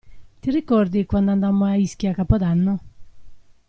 Ti ricordi quando andammo a Ischia a capodanno?